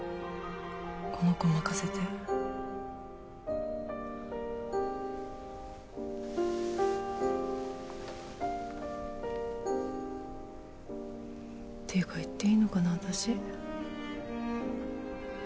この子任せてていうか行っていいのかな